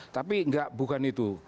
tapi bukan itu